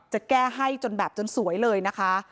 จะแก้ให้จนแบบจนสวยเลยนะคะ